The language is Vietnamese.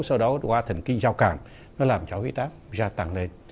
sau đó qua thần kinh giao càng nó làm cho huyết áp gia tăng lên